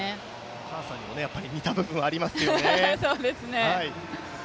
お母さんにも似た部分がありますよね。